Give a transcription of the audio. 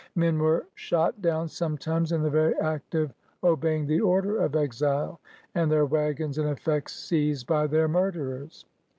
Men were shot down sometimes in the very act of obey ing the order of exile, and their wagons and effects seized by their murderers.